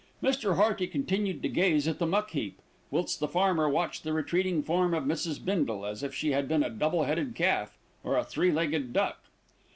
Mr. Hearty continued to gaze at the muck heap, whilst the farmer watched the retreating form of Mrs. Bindle, as if she had been a double headed calf, or a three legged duck.